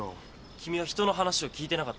君は人の話を聞いてなかったのか。